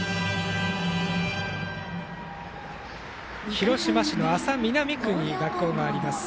広島市の安佐南区に学校があります。